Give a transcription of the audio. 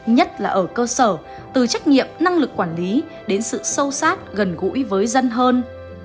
nhất là ở cơ sở từ trách nhiệm năng lực quản lý đến sự sâu sát gần gần